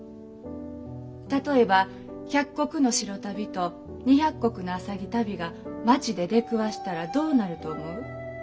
例えば１００石の白足袋と２００石の浅葱足袋が町で出くわしたらどうなると思う？